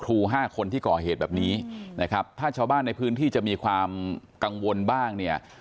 ห้าคนที่ก่อเหตุแบบนี้นะครับถ้าชาวบ้านในพื้นที่จะมีความกังวลบ้างเนี่ย